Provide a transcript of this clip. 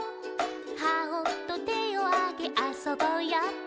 「『ハオ！』とてをあげ『あそぼうよ』って」